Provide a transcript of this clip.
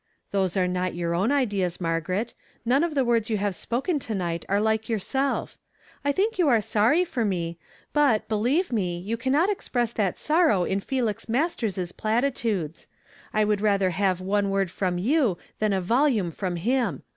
" Those are not your own ideas, Margaret ; none of the words you have spoken to night are like yourself. I think you are sorry for me; but, be lieve nie, you cannot express that sorrow in Felix Masters's platitudes. I would rather have one word from you than a volume from him.